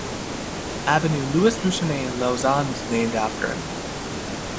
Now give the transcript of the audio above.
"Avenue Louis-Ruchonnet" in Lausanne is named after him.